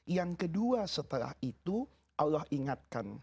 yang kedua setelah itu allah ingatkan